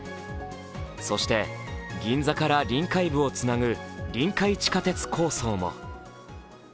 そして銀座から臨海部をつなぐ臨海地下鉄構想も。